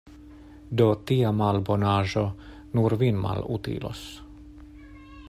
Do tia malbonaĵo nur vin malutilos.